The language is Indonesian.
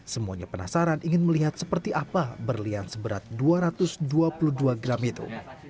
semuanya penasaran ingin melihat seperti apa berlian seberat dua ratus dua puluh dua gram itu